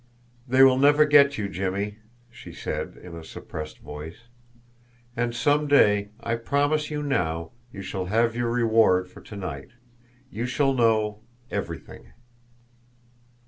"They will never get you, Jimmie," she said, in a suppressed voice. "And some day, I promise you now, you shall have your reward for to night. You shall know everything."